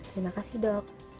terima kasih dok